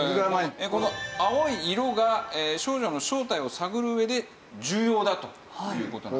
この青い色が少女の正体を探る上で重要だという事なんですね。